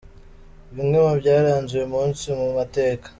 Bimwe mu byaranze uyu munsi mu mateka .